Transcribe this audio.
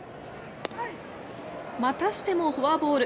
またしてもフォアボール。